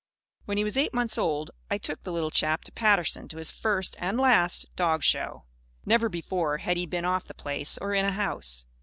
When he was eight months old, I took the little chap to Paterson, to his first (and last) dog show. Never before had he been off the Place or in a house.